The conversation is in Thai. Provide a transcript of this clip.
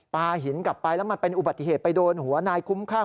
หินกลับไปแล้วมันเป็นอุบัติเหตุไปโดนหัวนายคุ้มข้าง